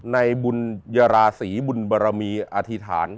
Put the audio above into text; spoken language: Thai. ในบุญยราศีบุญบรมีอธิษฐาน